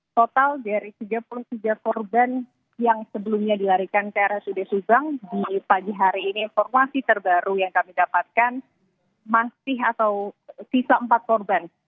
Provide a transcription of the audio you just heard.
total dari tiga puluh tiga korban yang sebelumnya dilarikan ke rsud subang di pagi hari ini informasi terbaru yang kami dapatkan masih atau sisa empat korban